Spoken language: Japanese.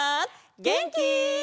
げんき？